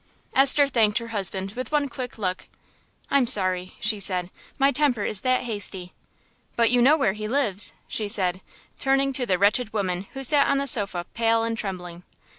Esther thanked her husband with one quick look. "I'm sorry," she said, "my temper is that hasty. But you know where he lives," she said, turning to the wretched woman who sat on the sofa pale and trembling.